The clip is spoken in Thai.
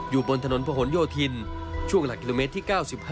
บนถนนพะหนโยธินช่วงหลักกิโลเมตรที่๙๕